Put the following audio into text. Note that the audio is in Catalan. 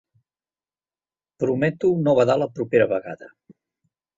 Prometo no badar la propera vegada.